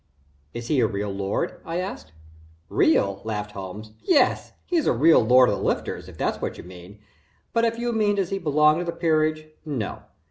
"Is he a real lord?" I asked. "Real?" laughed Holmes. "Yes he's a real Lord of the Lifters, if that's what you mean, but if you mean does he belong to the peerage, no.